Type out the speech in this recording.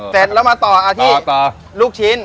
เสร็จแล้วมาต่อที่ลูกชิ้น